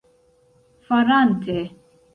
farante